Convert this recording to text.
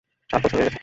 সাত বছর হয়ে গেছে।